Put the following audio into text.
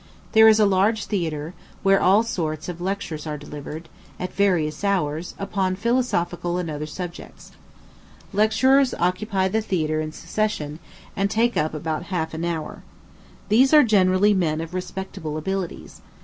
There is a large theatre, where all sorts of lectures are delivered, at various hours, upon philosophical and other subjects. Lecturers occupy the theatre in succession, and take up about half an hour. These are generally men of respectable abilities.